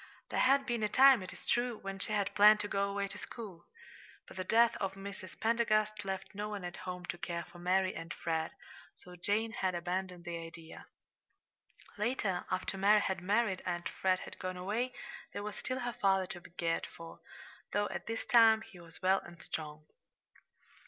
There had been a time, it is true, when she had planned to go away to school; but the death of Mrs. Pendergast left no one at home to care for Mary and Fred, so Jane had abandoned the idea. Later, after Mary had married and Fred had gone away, there was still her father to be cared for, though at this time he was well and strong.